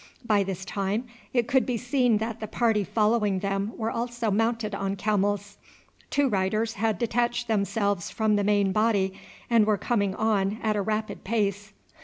By this time it could be seen that the party following them were also mounted on camels. Two riders had detached themselves from the main body and were coming on at a rapid pace.